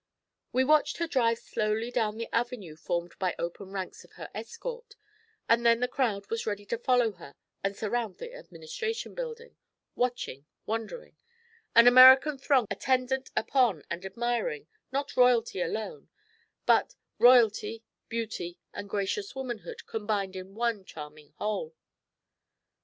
We watched her drive slowly down the avenue formed by open ranks of her escort, and then the crowd was ready to follow her and surround the Administration Building, watching wondering an American throng attendant upon, and admiring, not royalty alone, but royalty, beauty, and gracious womanhood combined in one charming whole.